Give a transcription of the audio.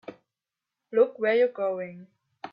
Look where you're going!